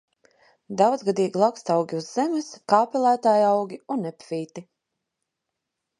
Daudzgadīgi lakstaugi uz zemes, kāpelētājaugi un epifīti.